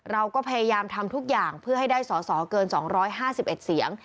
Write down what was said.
เราก็พยายามทำทุกอย่างเพื่อให้ได้สอสอเกิน๒๕๑เสียง